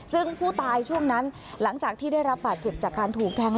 ซึ่งผู้ตายช่วงนั้นหลังจากที่ได้รับบาดเจ็บจากการถูกแทง